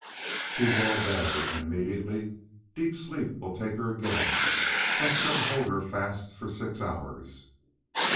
She will obey, and immediately deep sleep will take her again that shall hold her fast for six hours."